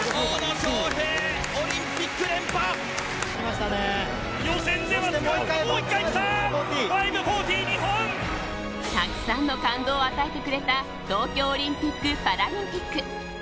たくさんの感動を与えてくれた東京オリンピック・パラリンピック。